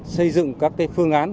xây dựng các phương án